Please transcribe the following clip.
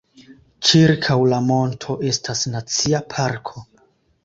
Ĉirkaŭ la monto estas nacia parko.